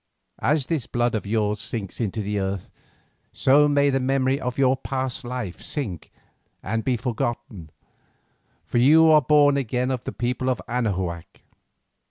"As this blood of yours sinks into the earth, so may the memory of your past life sink and be forgotten, for you are born again of the people of Anahuac.